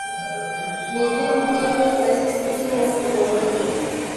Mizimu ipo na sisi tumo humo humo